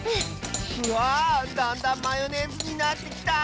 わあだんだんマヨネーズになってきた！